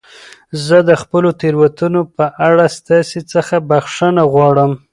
زه د خپلو تېروتنو په اړه ستاسي څخه بخښنه غواړم.